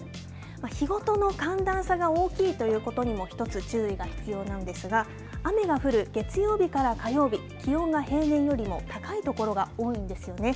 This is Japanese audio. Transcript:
日ごとの寒暖差が大きいということにも一つ注意が必要なんですが、雨が降る月曜日から火曜日、気温が平年よりも高い所が多いんですよね。